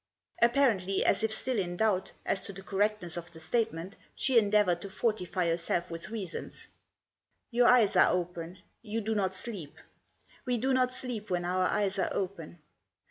Apparently as if still in doubt as to the correctness of the statement, she endeavoured to fortify herself with reasons. " Your eyes are open ; you do not sleep. We do not sleep when our eyes are open.